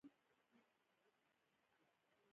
تصمیم نیول د مدیر دنده ده